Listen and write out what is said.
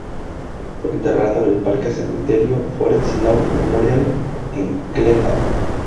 Fue enterrado en el parque cementerio "Forest Lawn Memorial" en Glendale.